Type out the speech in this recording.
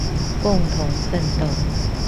共同奮鬥